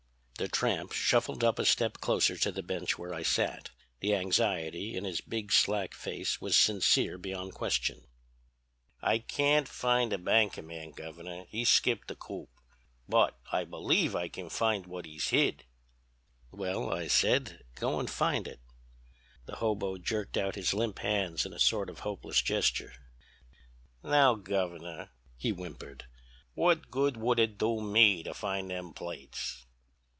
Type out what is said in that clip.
"The tramp shuffled up a step closer to the bench where I sat. The anxiety in his big slack face was sincere beyond question. "'I can't find the banker man, Governor; he's skipped the coop. But I believe I can find what he's hid.' "'Well,' I said, 'go and find it.' "The hobo jerked out his limp hands in a sort of hopeless gesture. "'Now, Governor,' he whimpered, 'what good would it do me to find them plates?'